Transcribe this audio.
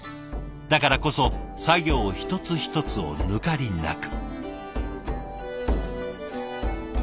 だからこそ作業一つ一つを抜かりなく。